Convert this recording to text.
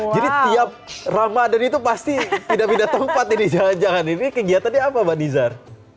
jadi tiap ramadan itu pasti pindah pindah tempat ini jangan jangan ini kegiatannya apa mbak nizar